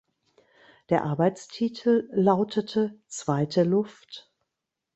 Der Arbeitstitel lautete "Zweite Luft".